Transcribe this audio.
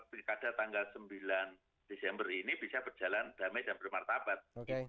pilkada tanggal sembilan desember ini bisa berjalan damai dan bermartabat